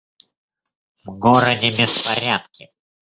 В городе беспорядки.